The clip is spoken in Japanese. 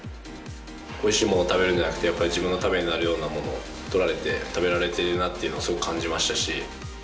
おいしいものを食べるんじゃなくて、やっぱり自分のためになるようなものをとられて、食べられているなというのをすごく感じましたし。